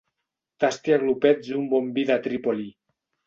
Tasti a glopets un bon vi de Trípoli.